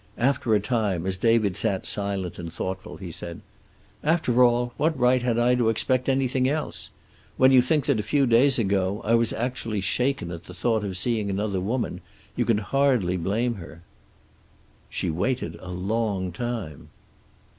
After a time, as David sat silent and thoughtful, he said: "After all, what right had I to expect anything else? When you think that, a few days ago, I was actually shaken at the thought of seeing another woman, you can hardly blame her." "She waited a long time."